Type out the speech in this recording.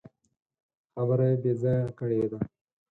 خبره يې بې ځايه کړې ده.